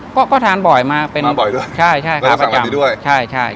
ก็ก็ทานบ่อยมาเป็นมาบ่อยด้วยใช่ใช่แล้วก็สั่งวันนี้ด้วยใช่ใช่